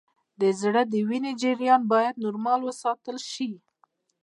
د زړه د وینې جریان باید نورمال وساتل شي